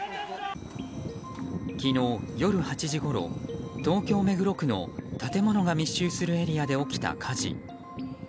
昨日夜８時ごろ東京・目黒区の建物が密集するエリアで起きた火事。